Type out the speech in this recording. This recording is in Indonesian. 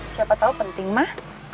siapa tau penting mak